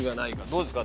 どうですか？